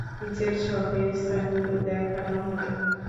নিচের ছকে স্থানগুলো দেখানো হলো।